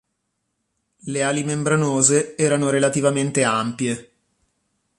Le ali membranose erano relativamente ampie.